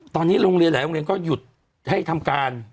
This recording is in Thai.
ตอนนี้หลายโรงเรียนก็หยุดให้ทำการ